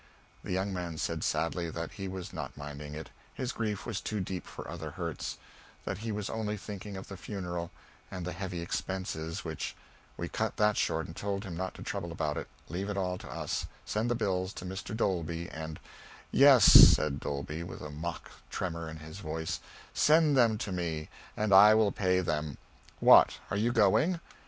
The young man said sadly that he was not minding it, his grief was too deep for other hurts; that he was only thinking of the funeral, and the heavy expenses which We cut that short and told him not to trouble about it, leave it all to us; send the bills to Mr. Dolby and "Yes," said Dolby, with a mock tremor in his voice, "send them to me, and I will pay them. What, are you going?